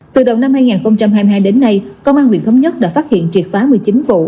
từ đầu năm hai nghìn hai mươi hai đến nay công an huyện thống nhất đã phát hiện triệt phá một mươi chín vụ